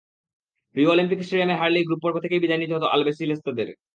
Rio Olympic স্টেডিয়ামে হারলেই group পর্ব থেকেই বিদায় নিতে হতো আলবিসেলেস্তেদের।